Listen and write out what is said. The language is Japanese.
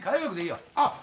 あっ！